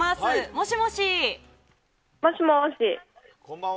もしもし。